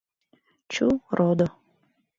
Чу, родо!